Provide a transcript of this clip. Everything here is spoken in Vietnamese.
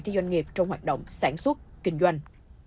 cho doanh nghiệp trong hoạt động sản xuất kinh doanh